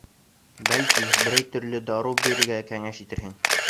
Бәлки, берәй төрлө дарыу бирергә кәңәш итерһең?